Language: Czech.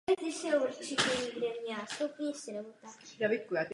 Oslabujete odbory.